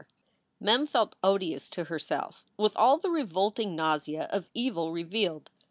Mem felt odious to herself, with all the revolting nausea of evil revealed.